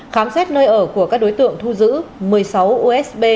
khám xét nơi ở của các đối tượng thu giữ một mươi sáu usb